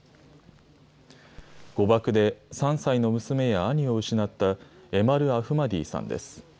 誤爆で３歳の娘や兄を失った、エマル・アフマディさんです。